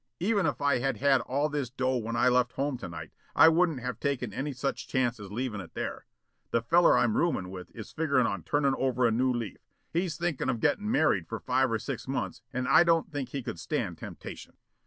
Even if I had had all this dough when I left home to night, I wouldn't have taken any such chance as leavin' it there. The feller I'm roomin' with is figurin' on turning over a new leaf; he's thinkin' of gettin' married for five or six months and I don't think he could stand temptation."